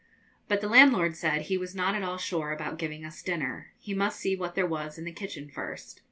But the landlord said he was not at all sure about giving us dinner; he must see what there was in the kitchen first.